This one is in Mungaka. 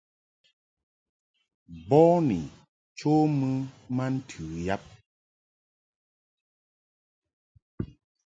Boni cho mɨ ma ntɨ yab.